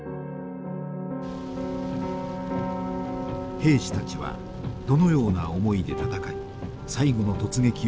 兵士たちはどのような思いで戦い最後の突撃を行ったのか。